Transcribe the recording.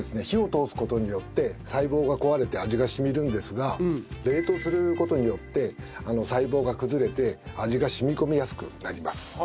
火を通す事によって細胞が壊れて味が染みるんですが冷凍する事によって細胞が崩れて味が染み込みやすくなります。